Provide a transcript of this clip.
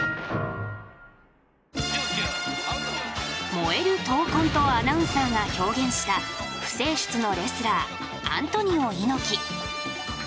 「燃える闘魂」とアナウンサーが表現した不世出のレスラーアントニオ猪木。